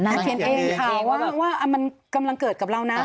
เขียนเองค่ะว่ามันกำลังเกิดกับเรานะ